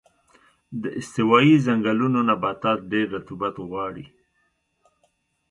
د استوایي ځنګلونو نباتات ډېر رطوبت غواړي.